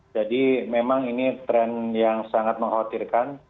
jadi memang ini tren yang sangat mengkhawatirkan